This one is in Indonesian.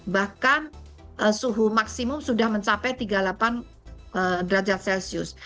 bahkan suhu maksimum sudah mencapai tiga puluh delapan derajat celcius